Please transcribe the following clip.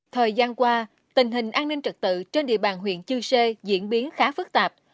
thời gian qua tình hình an ninh trật tự trên địa bàn huyện chư sê diễn biến khá phức tạp